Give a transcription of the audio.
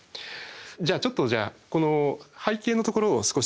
ちょっとじゃあこの背景のところを少し説明